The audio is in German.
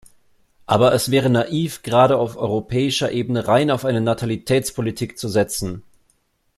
Aber es wäre naiv, gerade auf europäischer Ebene rein auf eine Natalitätspolitik zu setzen.